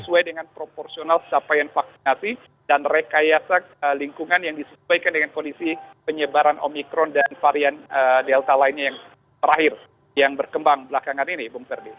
sesuai dengan proporsional capaian vaksinasi dan rekayasa lingkungan yang disesuaikan dengan kondisi penyebaran omikron dan varian delta lainnya yang terakhir yang berkembang belakangan ini bung ferdi